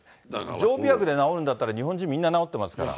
常備薬で治るんだったら、日本中みんな治ってますから。